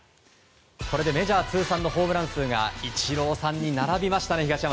これでメジャー通算のホームラン数がイチローさんに並びましたね